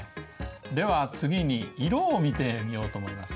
では次に色を見てみようと思います。